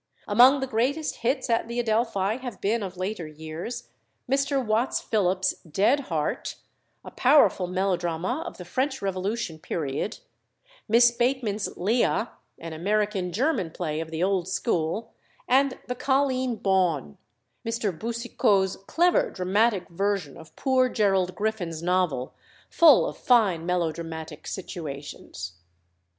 Among the greatest "hits" at the Adelphi have been of later years Mr. Watts Philips's "Dead Heart," a powerful melodrama of the French Revolution period, Miss Bateman's "Leah," an American German play of the old school, and "The Colleen Bawn," Mr. Boucicault's clever dramatic version of poor Gerald Griffin's novel, full of fine melodramatic situations.